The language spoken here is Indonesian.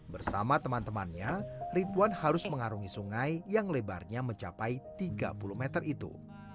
bersama teman temannya ridwan harus mengarungi sungai yang lebarnya mencapai tiga puluh meter itu